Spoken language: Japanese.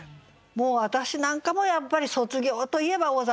もう私なんかもやっぱり卒業といえば尾崎豊。